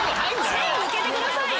背を向けてくださいよ。